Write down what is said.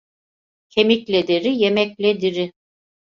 Kemikle deri, yemekle diri.